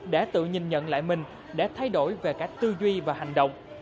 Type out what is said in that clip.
để tự nhìn nhận lại mình để thay đổi về cả tư duy và hành động